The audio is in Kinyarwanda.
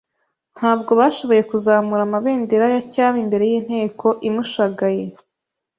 Ntabwo bashoboye kuzamura amabendera ya cyami imbere y'inteko imushagaye,